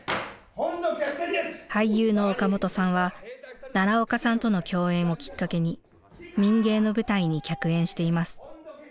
俳優の岡本さんは奈良岡さんとの共演をきっかけに「民藝」の舞台に客演しています。